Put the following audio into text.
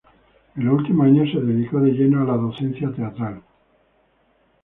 En los últimos años se dedicó de lleno a la docencia teatral.